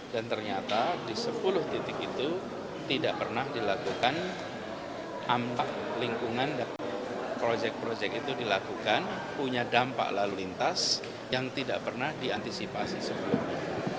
dan ternyata di sepuluh titik itu tidak pernah dilakukan dampak lingkungan dan proyek proyek itu dilakukan punya dampak lalu lintas yang tidak pernah diantisipasi sebelumnya